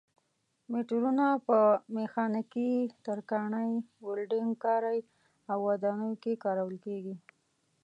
مترونه په میخانیکي، ترکاڼۍ، ولډنګ کارۍ او ودانیو کې کارول کېږي.